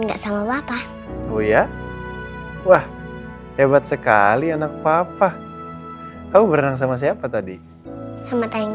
nggak sama bapak oh iya wah hebat sekali anak bapak kamu berenang sama siapa tadi sama tani